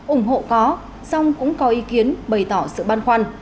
ủng hộ có xong cũng có ý kiến bày tỏ sự băn khoăn